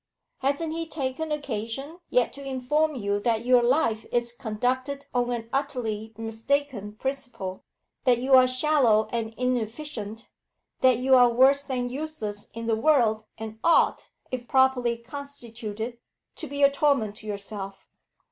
Hasn't he taken occasion yet to inform you that your life is conducted on an utterly mistaken principle, that you are shallow and inefficient, that you are worse than useless in the world, and ought, if properly constituted, to be a torment to yourself?